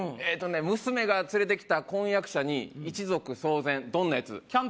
ええとね娘が連れてきた婚約者に一族騒然どんな奴？